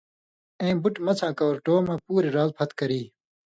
اَیں بُٹ مڅھاں کؤرٹو مہ پُوریۡ رال پھت کری۔